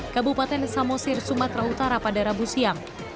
kabupaten samosir sumatera utara pada rabu siang